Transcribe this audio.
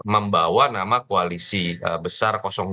membawa nama koalisi besar dua